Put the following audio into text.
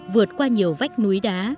vượt qua nhiều vách núi đá